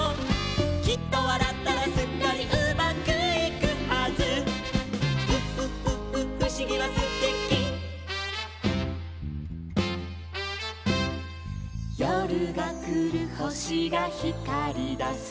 「きっとわらったらすっかりうまくいくはず」「うふふふふしぎはすてき」「よるがくるほしがひかりだす」